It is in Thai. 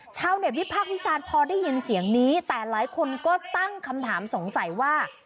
ชาวเน็ตวิพากษ์วิจารณ์พอได้ยินเสียงนี้แต่หลายคนก็ตั้งคำถามสงสัยว่า